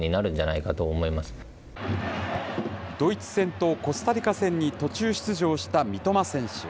ドイツ戦とコスタリカ戦に途中出場した三笘選手。